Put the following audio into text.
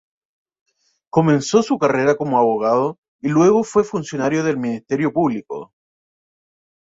Comenzó su carrera como abogado y luego fue funcionario del Ministerio Público.